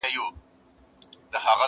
لاره ورکه سوه له سپي او له څښتنه!!